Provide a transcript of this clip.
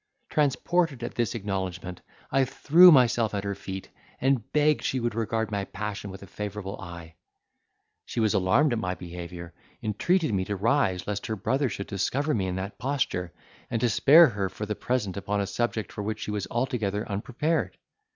Transported at this acknowledgment I threw myself at her feet, and begged she would regard my passion with a favourable eye. She was alarmed at my behaviour, entreated me to rise lest her brother should discover me in that posture, and to spare her for the present upon a subject for which she was altogether unprepared.